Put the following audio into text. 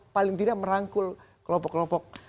paling tidak merangkul kelompok kelompok